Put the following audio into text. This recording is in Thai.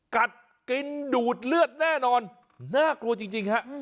กัดกินดูดเลือดแน่นอนน่ากลัวจริงฮะ